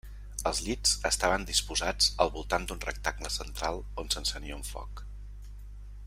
Els llits estaven disposats al voltant d'un rectangle central on s'encenia un foc.